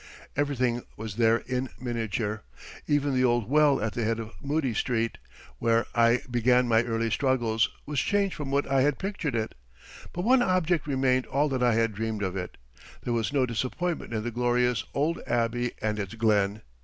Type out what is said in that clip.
Everything was there in miniature. Even the old well at the head of Moodie Street, where I began my early struggles, was changed from what I had pictured it. But one object remained all that I had dreamed of it. There was no disappointment in the glorious old Abbey and its Glen.